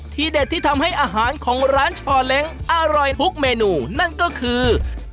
เด็ดที่ทำให้อาหารของร้านชอเล้งอร่อยทุกเมนูนั่นก็คือ